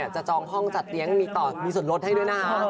จะจองห้องจัดเย็งมีส่วนรถให้ด้วยนะ